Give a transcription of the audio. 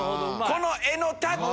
この絵のタッチ。